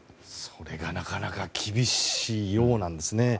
それがなかなか厳しいようなんですね。